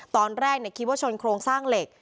ตอนแรกคิดว่าชนโครงสร้างเหล็ก